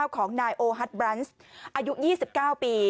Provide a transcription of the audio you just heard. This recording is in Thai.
ของนายโอฮัทบรันซ์อายุ๒๙ปี